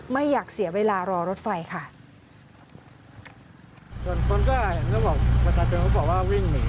ไม่อยากเสียเวลารอรถไฟค่ะ